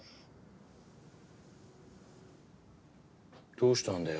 どうしたんだよ？